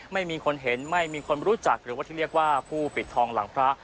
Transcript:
ไม่มีคนเห็นไม่มีคนรู้จักหรือว่าที่เรียกว่าผู้ปิดทองหลังพระ